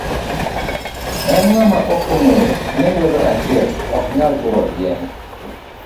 En ng'ama ok ong'eyo ni lwedo achiel ok nyal turo yien?